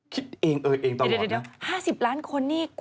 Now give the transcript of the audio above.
คิดเองเอ่ยเองตลอด